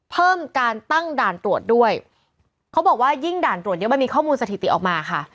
เพิ่มการตั้งด่านตรวจด้วยเขาบอกว่ายิ่งด่านตรวจเนี้ยมันมีข้อมูลสถิติออกมาค่ะ